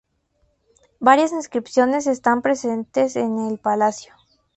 Varias inscripciones están presentes en el palacio.